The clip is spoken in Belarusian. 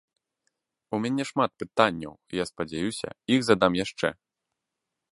У мяне шмат пытанняў, я спадзяюся, іх задам яшчэ.